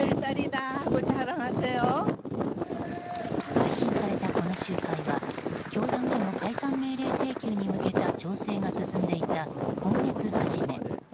配信された、この集会は教団への解散命令請求に向けた調整が進んでいた今月初め。